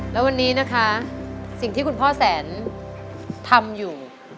แล้ววันนี้นะคะสิ่งที่คุณพ่อแสนทำอยู่